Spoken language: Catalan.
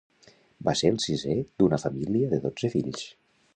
Va ser el sisè d'una família de dotze fills.